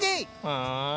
はい。